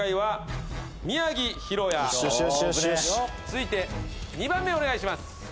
続いて２番目お願いします。